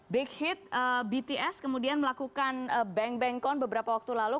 big hit bts kemudian melakukan bank bank kon beberapa waktu lalu